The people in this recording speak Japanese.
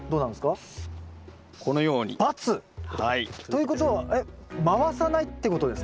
ということは回さないってことですか？